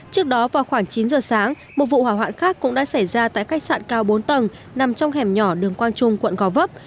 trước đó vào khoảng chín giờ sáng một vụ hỏa hoạn khác cũng đã xảy ra tại khách sạn cao bốn tầng nằm trong hẻm nhỏ đường quang trung quận gò vấp